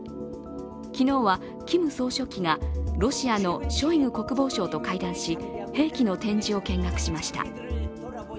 昨日はキム総書記がロシアのショイグ国防相と会談し、兵器の展示を見学しました。